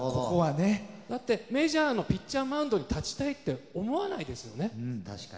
メジャーのピッチャーマウンドに立ちたいって思わないですよね。